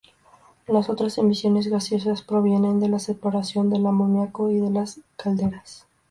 Las otras emisiones gaseosas provienen de la separación del amoníaco y de las calderas.